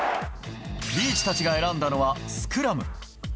リーチたちが選んだのはスクラム。